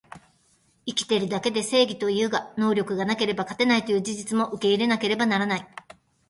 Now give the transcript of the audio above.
生きてるだけで正義というが、能力がなければ勝てないという事実も受け入れなければならない